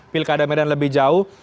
pilkada medan lebih jauh